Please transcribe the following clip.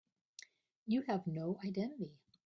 You have no identity.